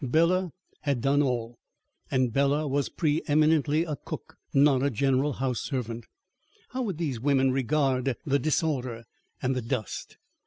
Bela had done all and Bela was pre eminently a cook, not a general house servant. How would these women regard the disorder and the dust?